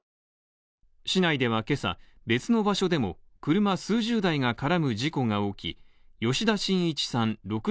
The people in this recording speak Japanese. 市内では今朝、別の場所でも車数十台が絡む事故が起き吉田信一さん